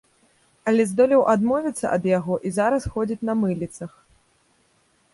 Але здолеў адмовіцца ад яго і зараз ходзіць на мыліцах.